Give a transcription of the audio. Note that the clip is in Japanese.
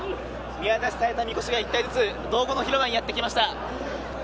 宮出しされたみこしが一体ずつ道後の広場にやってきました。